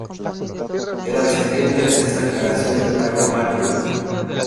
Era descendiente en sexta generación de Carlomagno.